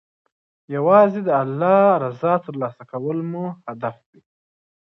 یوازې د الله رضا ترلاسه کول مو هدف وي.